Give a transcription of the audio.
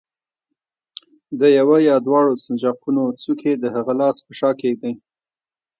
د یوه یا دواړو سنجاقونو څوکې د هغه لاس په شا کېږدئ.